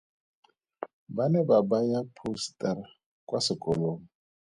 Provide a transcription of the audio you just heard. Ba ne ba baya phousetara kwa sekolong.